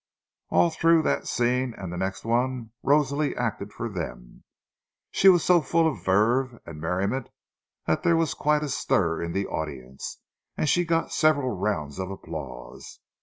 All through that scene and the next one Rosalie acted for them; she was so full of verve and merriment that there was quite a stir in the audience, and she got several rounds of applause.